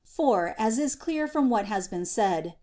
For, as is clear from what has been said (Q.